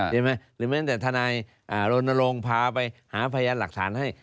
เห็นไหมหรือแม้แต่ทานายโรนโรงพาไปหาพยายามหลักฐานให้